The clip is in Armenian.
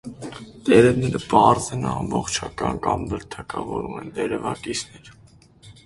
Տերևները պարզ են, ամբողջական կամ բլթակավոր, ունեն տերևակիցներ։